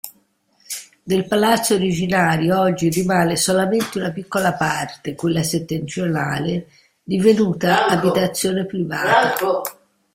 Del palazzo originario oggi rimane solamente una piccola parte, quella settentrionale, divenuta abitazione privata.